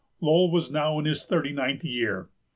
Lowell was now in his thirty ninth year.